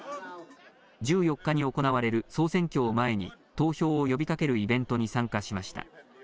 １４日に行われる総選挙を前に、投票を呼びかけるイベントに参加しました。